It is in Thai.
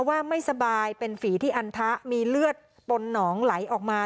ว่าไม่สบายเป็นฝีที่อันทะมีเลือดปนหนองไหลออกมา